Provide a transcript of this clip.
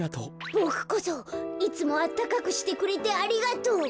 ボクこそいつもあったかくしてくれてありがとう。